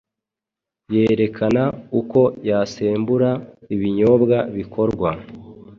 yerekana uko gusembura ibinyobwa bikorwa,